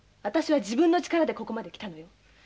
私は自分の力でここまで来たのよ。